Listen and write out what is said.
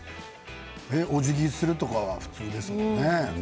おじぎするとかは普通ですよね。